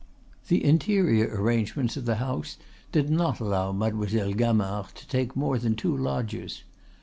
The interior arrangements of the house did not allow Mademoiselle Gamard to take more than two lodgers.